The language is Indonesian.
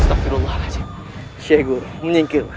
ya tak ada baiknya